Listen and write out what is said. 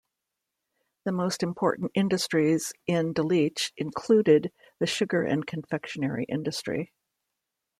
The most important industries in Delitzsch included the sugar and confectionery industry.